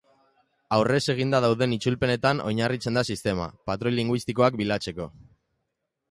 Aurrez eginda dauden itzulpenetan oinarritzen da sistema, patroi linguistikoak bilatzeko.